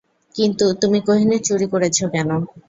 কিন্তু তুমি কোহিনূর চুরি করেছো কেন?